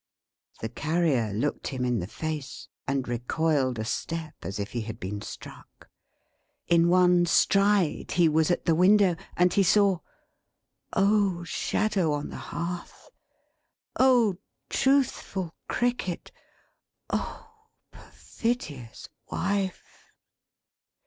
The Carrier looked him in the face, and recoiled a step as if he had been struck. In one stride he was at the window, and he saw Oh Shadow on the Hearth! Oh truthful Cricket! Oh perfidious Wife!